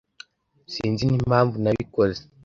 Sinzi nimpamvu nabikoze